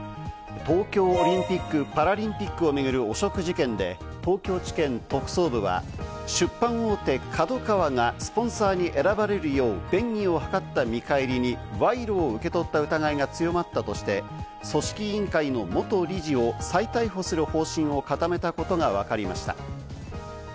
東京オリンピック・パラリンピックを巡る汚職事件で、東京地検特捜部は出版大手・ＫＡＤＯＫＡＷＡがスポンサーに選ばれるよう便宜を図った見返りに賄賂を受け取った疑いが強まったとして、組織委員会の元理事を再逮捕する方針を固めたことがわかりました。